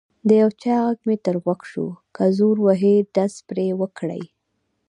د یو چا غږ مې تر غوږ شو: که زور وهي ډز پرې وکړئ.